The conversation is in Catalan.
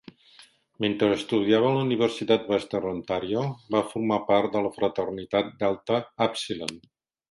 Mentre estudiava a la Universitat Western Ontario, va formar part de la fraternitat Delta Upsilon.